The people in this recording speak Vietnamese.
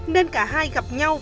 nên cả hai gặp nhau